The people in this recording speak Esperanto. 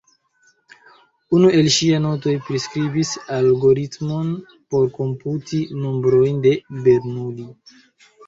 Unu el ŝiaj notoj priskribis algoritmon por komputi nombrojn de Bernoulli.